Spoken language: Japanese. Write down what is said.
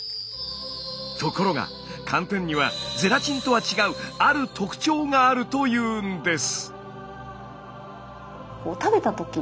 ところが寒天にはゼラチンとは違うある特徴があるというんです。